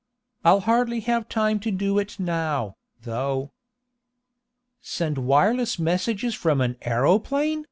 "I'll hardly have time to do it now, though." "Send wireless messages from an aeroplane?"